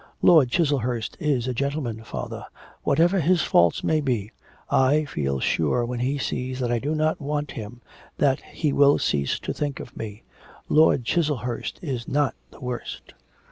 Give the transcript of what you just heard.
'Lord Chiselhurst is a gentleman, father. Whatever his faults may be, I feel sure when he sees that I do not want him, that he will cease to think of me... Lord Chiselhurst is not the worst.'